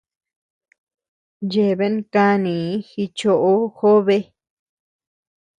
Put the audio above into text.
Yeabean kanii jichoʼo jobe.